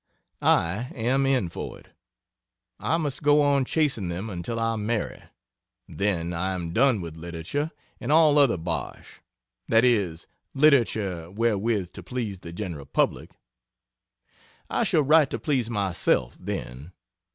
I am in for it. I must go on chasing them until I marry then I am done with literature and all other bosh, that is, literature wherewith to please the general public. I shall write to please myself, then.